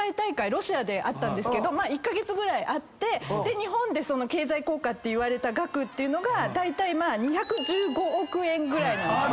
ロシアであったけど１カ月ぐらいあって日本で経済効果っていわれた額っていうのがだいたい２１５億円ぐらいなんですよ。